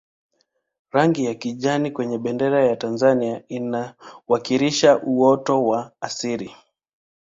rangi ya kijani kwenye bendera ya tanzania inawakilisha uoto wa asili